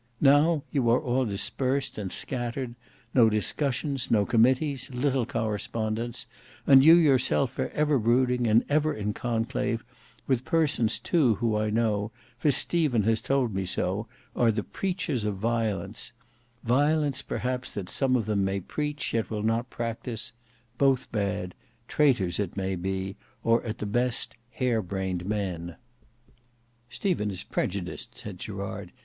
Now you are all dispersed and scattered: no discussions, no committees, little correspondence—and you yourself are ever brooding and ever in conclave, with persons too who I know, for Stephen has told me so, are the preachers of violence: violence perhaps that some of them may preach, yet will not practise: both bad; traitors it may be, or, at the best, hare brained men." "Stephen is prejudiced," said Gerard.